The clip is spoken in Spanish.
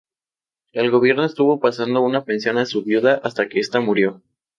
El gobierno estuvo pasando una pensión a su viuda hasta que esta murió.